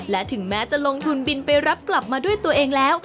และถึงแม้จะลงทุนบินไปรับกลับมาด้วยตัวเองแล้ว